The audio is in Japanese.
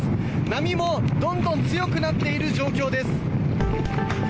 波もどんどん強くなっている状況です。